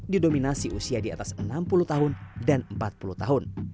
didominasi usia di atas enam puluh tahun dan empat puluh tahun